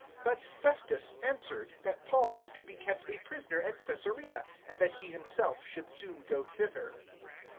(4)But Festus answered, that Paul was to be kept a prisoner at Caesarea, and that he himself should soon go thither.